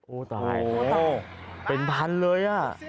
โอ้ตายเป็นพันเลย